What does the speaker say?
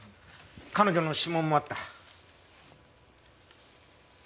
彼女の指紋もあった。